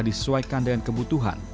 disesuaikan dengan kebutuhan